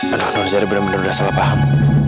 anak anak nonzara benar benar salah paham